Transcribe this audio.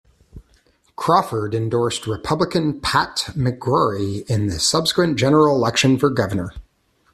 Crawford endorsed Republican Pat McCrory in the subsequent general election for Governor.